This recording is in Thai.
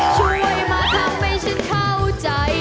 ช่วยมาทำให้ฉันเข้าใจ